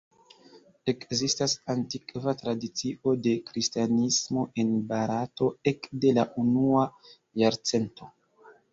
Ekzistas antikva tradicio de kristanismo en Barato ekde la unua jarcento.